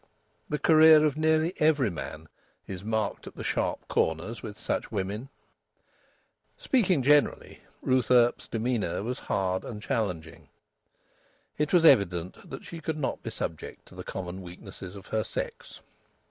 The career of nearly every man is marked at the sharp corners with such women. Speaking generally, Ruth Earp's demeanour was hard and challenging. It was evident that she could not be subject to the common weaknesses of her sex.